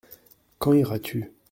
Quand iras-tu ?